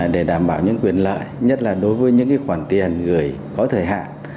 để đảm bảo những quyền lợi nhất là đối với những khoản tiền gửi có thời hạn